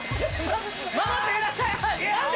守ってください